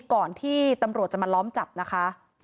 ก่อนที่ตำรวจจะมาล้อมจับนะคะ